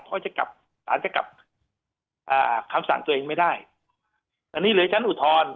เพราะจะกลับสารจะกลับอ่าคำสั่งตัวเองไม่ได้อันนี้เหลือชั้นอุทธรณ์